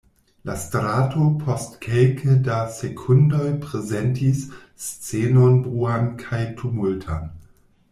La strato post kelke da sekundoj prezentis scenon bruan kaj tumultan.